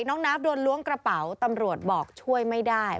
น้องน้ำโดนล้วงกระเป๋าตำรวจบอกช่วยไม่ได้